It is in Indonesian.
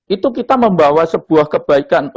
itu kita membawa sebuah kebaikan